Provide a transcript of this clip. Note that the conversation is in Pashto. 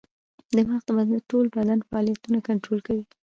دماغ د بدن ټول فعالیتونه کنټرول کوي.